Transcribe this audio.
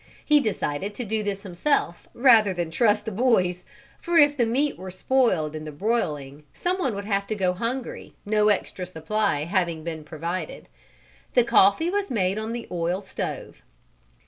He decided to do this himself rather than trust the boys, for if the meat were spoiled in the broiling some one would have to go hungry, no extra supply having been provided. The coffee was made on the oil stove.